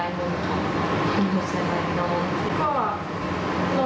และต้องป่วยเสียใจอีกวันน่ะแค่อีกครั้ง